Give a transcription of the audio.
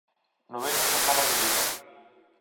Novena xornada de Liga.